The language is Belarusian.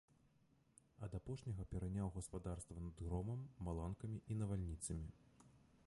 Ад апошняга пераняў гаспадарства над громам, маланкамі і навальніцамі.